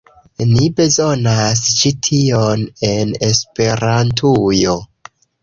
Ni bezonas ĉi tion en Esperantujo